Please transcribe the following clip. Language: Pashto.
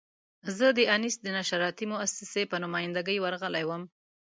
زه د انیس د نشراتي مؤسسې په نماینده ګي ورغلی وم.